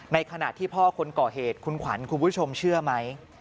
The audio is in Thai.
ในขณะที่พ่อคนก่อเหตุคุณขวัญคุณผู้ชมเชื่อไหม